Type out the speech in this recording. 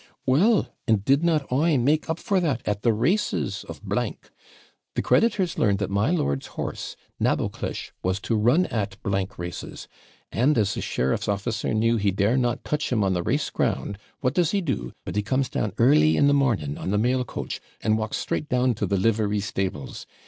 'Well! and did not I make up for that at the races of ? The creditors learned that my lord's horse, Naboclish, was to run at races; and, as the sheriff's officer knew he dare not touch him on the race ground, what does he do, but he comes down early in the morning on the mail coach, and walks straight down to the livery stables.